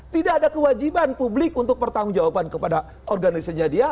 tidak ada kewajiban publik untuk pertanggung jawaban kepada organisasinya dia